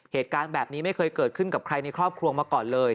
เหตุการณ์แบบนี้ไม่เคยเกิดขึ้นกับใครในครอบครัวมาก่อนเลย